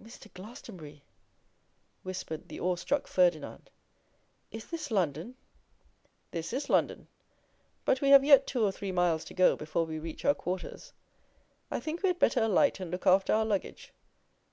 'Mr. Glastonbury,' whispered the awe struck Ferdinand, 'is this London?' 'This is London: but we have yet two or three miles to go before we reach our quarters. I think we had better alight and look after our luggage.